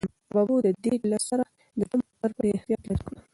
ببو د دېګ له سره د دم ټوکر په ډېر احتیاط لیرې کړ.